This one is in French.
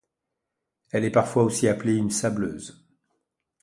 Elle est parfois aussi appelée une sableuse.